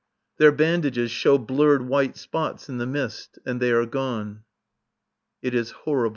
Their bandages show blurred white spots in the mist, and they are gone. It is horrible.